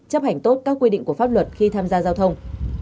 chấp hành tốt các quy định của pháp luật khi tham gia giao thông